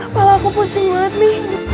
malah aku pusing banget mi